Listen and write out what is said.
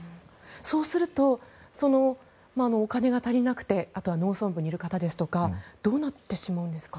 そうするとお金が足りなくてあとは農村部にいる方ですとかどうなってしまうんですか？